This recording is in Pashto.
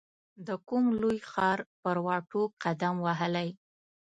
د کوم لوی ښار پر واټو قدم وهلی